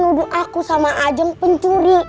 ibu aku sama ajeng pencuri